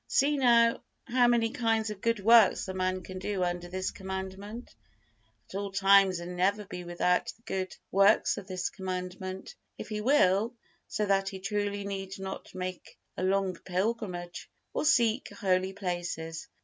See now, how many kinds of good works a man can do under this Commandment at all times and never be without the good works of this Commandment, if he will; so that he truly need not make a long pilgrimage or seek holy places.